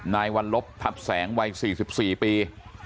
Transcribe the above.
นายวัลลบทับแสงวัย๔๔ปี